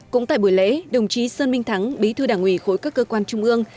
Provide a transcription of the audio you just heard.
cũng tại buổi lễ đồng chí sơn minh thắng bí thư đảng ủy khối các cơ quan trung ương